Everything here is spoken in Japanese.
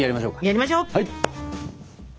やりましょう！